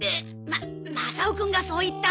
ママサオくんがそう言ったんだよ。